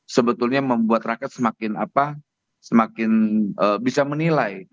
sebetulnya membuat rakyat semakin bisa menilai